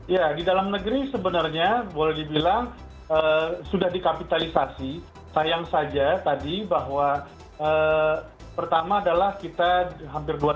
ya di dalam negeri sebenarnya boleh dibilang sudah dikapitalisasi sayang saja tadi bahwa pertama adalah kita hampir dua tahun